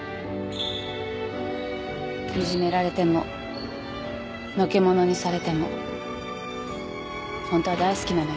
いじめられてものけ者にされてもホントは大好きなのよ